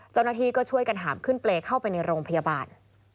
เจ้าหน้าที่ก็ช่วยกันหามขึ้นเปรย์เข้าไปในโรงพยาบาล